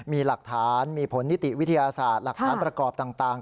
มีหลักฐานมีผลนิติวิทยาศาสตร์หลักฐานประกอบต่าง